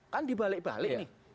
kan dibalik balik nih